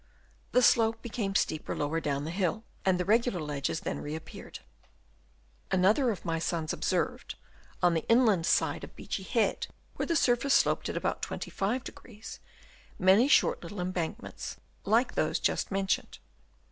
The slope became steeper lower down the hill, and the regular ledges then re appeared. Another of my sons observed, on 284 DENUDATION TO LAND Chap. VI. the inland side of Beachy Head, where the surface sloped at about 25°, many short little embankments like those just mentioned.